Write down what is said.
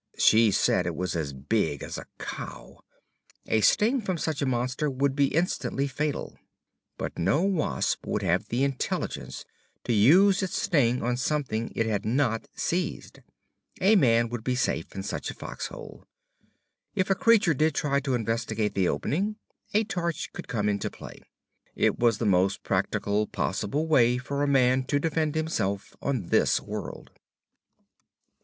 She said it was as big as a cow. A sting from such a monster would instantly be fatal. But no wasp would have the intelligence to use its sting on something it had not seized. A man should be safe in such a fox hole. If a creature did try to investigate the opening, a torch could come into play. It was the most practical possible way for a man to defend himself on this world.